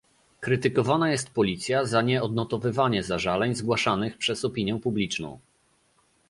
Krytykowana jest policja za nie odnotowywanie zażaleń zgłaszanych przez opinię publiczną